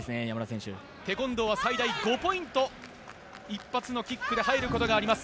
テコンドーは最大５ポイント１発のキックで入ることがあります。